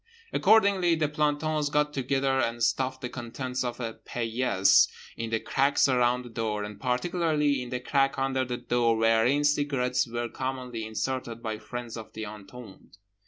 Accordingly the plantons got together and stuffed the contents of a paillasse in the cracks around the door, and particularly in the crack under the door wherein cigarettes were commonly inserted by friends of the entombed.